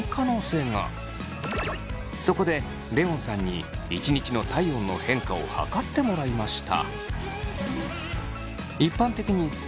そこでレオンさんに１日の体温の変化を測ってもらいました。